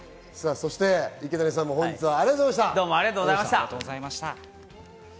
そして池谷さんも本日は、ありがとうございました。